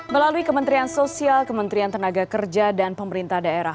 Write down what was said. melalui kementerian sosial kementerian tenaga kerja dan pemerintah daerah